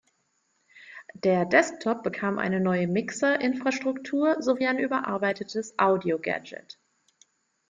Der Desktop bekam eine neue Mixer-Infrastruktur sowie ein überarbeitetes Audio-Gadget.